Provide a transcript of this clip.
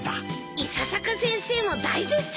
伊佐坂先生も大絶賛だよ。